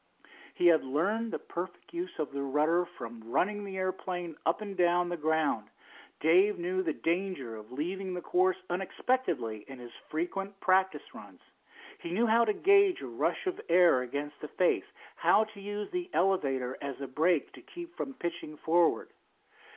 He had learned the perfect use of the rudder from running the airplane up and down the ground. Dave knew the danger of leaving the course unexpectedly in his frequent practice runs. He knew how to gauge a rush of air against the face, how to use the elevator as a brake to keep from pitching forward.